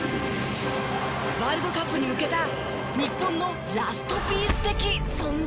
ワールドカップに向けた日本のラストピース的存在なんです。